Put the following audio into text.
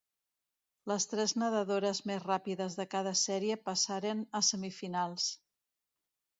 Les tres nedadores més ràpides de cada sèrie passaren a semifinals.